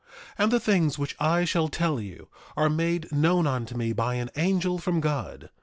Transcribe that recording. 3:2 And the things which I shall tell you are made known unto me by an angel from God.